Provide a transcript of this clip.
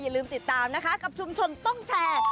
ลืมติดตามนะคะกับชุมชนต้องแชร์